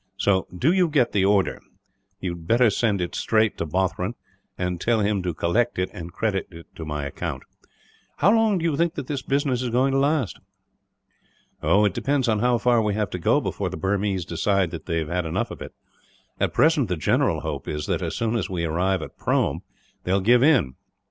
So, do you get the order. You had better send it straight to Bothron; and tell him to collect it, and credit it to my account. "How long do you think that this business is going to last?" "It depends how far we have to go before the Burmese decide that they have had enough of it. At present, the general hope is that, as soon as we arrive at Prome, they will give in.